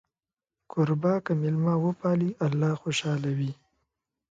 کوربه که میلمه وپالي، الله خوشحاله وي.